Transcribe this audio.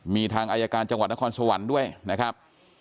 มีทางอายการจังหวัดนครสวรรค์ด้วยนะครับ